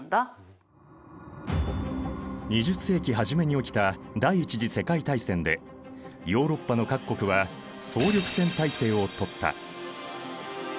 ２０世紀初めに起きた第一次世界大戦でヨーロッパの各国は総力戦体制をとった。